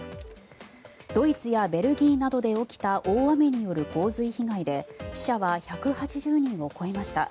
ドイツやベルギーなどで起きた大雨による洪水被害で死者は１８０人を超えました。